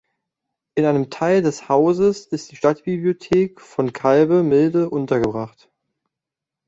In einem Teil des Hauses ist die Stadtbibliothek von Kalbe (Milde) untergebracht.